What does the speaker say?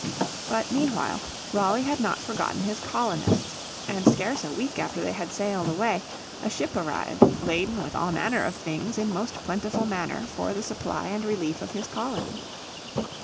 But meanwhile Raleigh had not forgotten his colonists, and scarce a week after they had sailed away, a ship arrived laden "with all manner of things in most plentiful manner for the supply and relief of his colony."